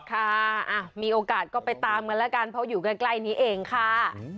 ค่ะมีโอกาสก็ไปตามกันแล้วกันเพราะอยู่ใกล้นี้เองค่ะ